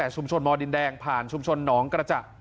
ชุมชนมดินแดงผ่านชุมชนหนองกระจัก